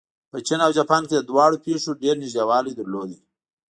په چین او جاپان کې دواړو پېښو ډېر نږدېوالی درلود.